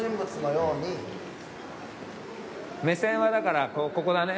目線はだからここだね。